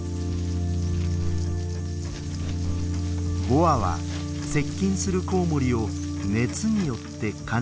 ボアは接近するコウモリを熱によって感知します。